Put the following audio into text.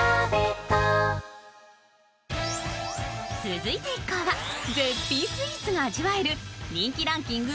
続いて一行は絶品スイーツが味わえる人気ランキング